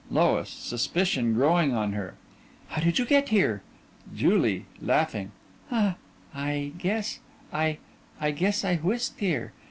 LOIS: (Suspicion growing on her) How did you get here? JULIE: I guess I I guess I whisked here.